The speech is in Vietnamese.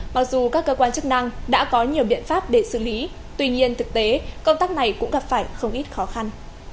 mặc dù các cơ quan chức năng đã có nhiều biện pháp để xử lý tuy nhiên thực tế công tác này cũng gặp phải không ít khó khăn